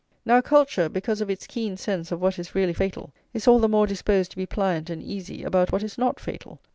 Now culture, because of its keen sense of what is really fatal, is all the more disposed to be pliant and easy about what is not fatal.